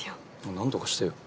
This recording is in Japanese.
何とかしてよ。